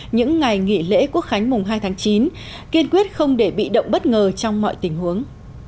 những ngày nghỉ lễ quốc khánh mùng hai tháng chín kiên quyết không để bị động bất ngờ trong mọi tình huống